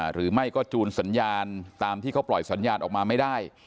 หรือไม่ก็จูนสัญญาณตามที่เขาปล่อยสัญญาณออกมาไม่ได้